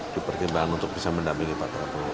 dipertimbangkan untuk bisa mendampingi pak prabowo